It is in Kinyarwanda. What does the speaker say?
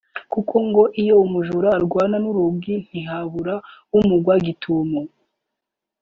kuko ngo iyo umujura arwana n’urugi ntiyabura umugwa gitumo